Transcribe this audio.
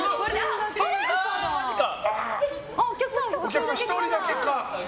お客さん、１人だけ可。